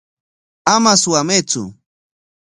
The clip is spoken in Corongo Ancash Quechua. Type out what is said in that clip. Ama suwamaytsu.